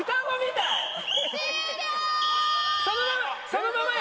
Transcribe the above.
そのまま！